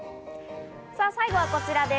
最後はこちらです。